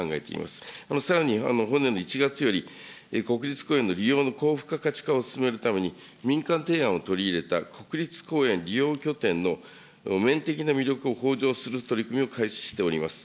さらに本年度１月より、国立公園の利用の高付加価値化を進めるために、民間提案を取り入れた国立公園利用拠点の面的な魅力を向上する取り組みを開始しております。